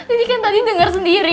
ini kan tadi dengar sendiri